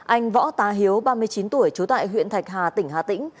anh võ tá hiếu ba mươi chín tuổi trú tại huyện thạch hà tỉnh hà tĩnh